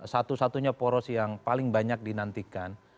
satu satunya poros yang paling banyak dinantikan